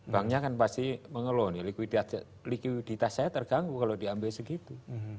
banknya kan pasti mengeluh nih likuiditas saya terganggu kalau diambil segitu